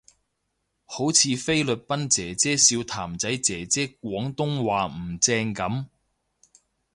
好似菲律賓姐姐笑譚仔姐姐廣東話唔正噉